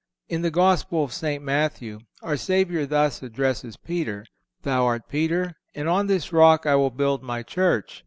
In the Gospel of St. Matthew our Savior thus addresses Peter: "Thou art Peter, and on this rock I will build My Church....